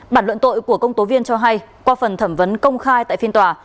bản luận tội của công tố viên cho hay qua phần thẩm vấn công khai tại phiên tòa